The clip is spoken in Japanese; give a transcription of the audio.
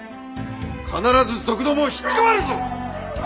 必ず賊どもをひっ捕まえるぞ！